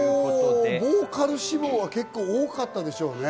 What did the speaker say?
ボーカル志望は結構多かったでしょうね。